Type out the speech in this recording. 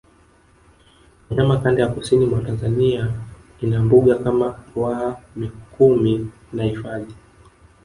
wanya kanda ya kusini mwa Tanzania ina Mbuga kama Ruaha Mikumi na hifadhi